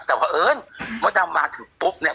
แต่พอเอิ้นเมื่อเรามาถึงปุ๊บเนี่ย